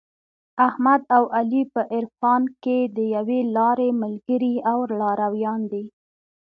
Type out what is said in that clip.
احمد او علي په عرفان کې د یوې لارې ملګري او لارویان دي.